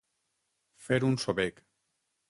Fer un sobec.